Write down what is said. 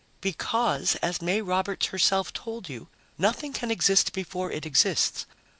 "Because, as May Roberts herself told you, nothing can exist before it exists.